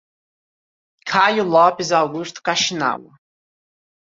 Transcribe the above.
Caio Lopes Augusto Kaxinawa